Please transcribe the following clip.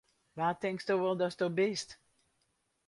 Wa tinksto wol datsto bist!